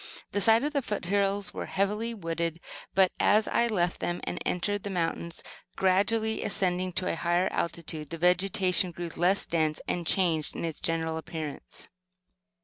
The sides of the foot hills were heavily wooded, but, as I left them and entered the mountains, gradually ascending to a higher altitude, the vegetation grew less dense and changed in its general appearance.